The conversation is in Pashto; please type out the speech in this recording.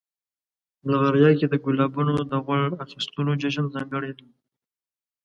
بلغاریا کې د ګلابونو د غوړ اخیستلو جشن ځانګړی دی.